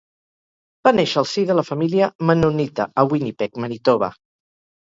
Va néixer al si de la família mennonita, a Winnipeg, Manitoba.